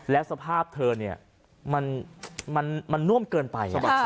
แล้วสภาพเธอเนี่ยมันน่วมเกินไป